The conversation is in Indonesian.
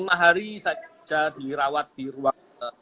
saya bisa dirawat di ruang